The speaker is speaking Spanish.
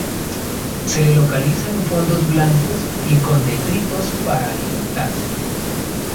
Se le localiza en fondos blandos o con detritos para alimentarse.